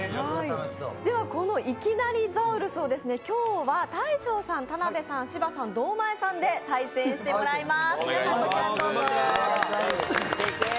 「いきなり！ザウルス」を今日は大昇さん、田辺さん、芝さん、堂前さんで対戦してもらいます。